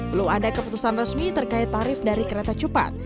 belum ada keputusan resmi terkait tarif dari kereta cepat